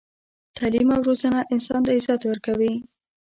تعلیم او روزنه انسان ته عزت ورکوي.